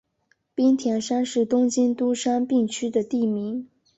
滨田山是东京都杉并区的地名。